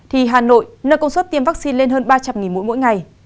hà nội nâng công suất tiêm vaccine lên hơn ba trăm linh mỗi ngày